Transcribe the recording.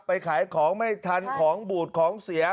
ขายของไม่ทันของบูดของเสีย